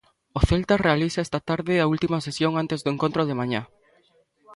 O Celta realiza esta tarde a última sesión antes do encontro de mañá.